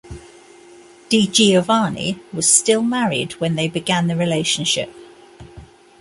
Di Giovanni was still married when they began the relationship.